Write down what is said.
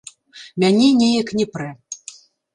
Мяне неяк не прэ.